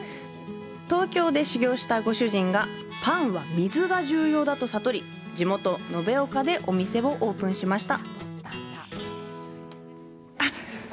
東京で修業したご主人が、パンは水が重要だと悟り、地元延岡でお店をオープンしました。